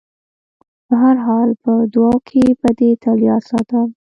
په هر حال په دعاوو کې به دې تل یاد ساتم.